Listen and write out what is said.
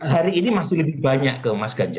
hari ini masih lebih banyak ke mas ganjar